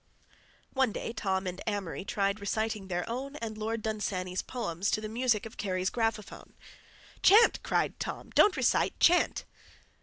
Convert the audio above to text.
One day Tom and Amory tried reciting their own and Lord Dunsany's poems to the music of Kerry's graphophone. "Chant!" cried Tom. "Don't recite! Chant!"